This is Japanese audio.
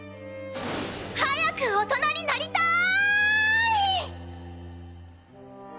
早く大人になりたーい！！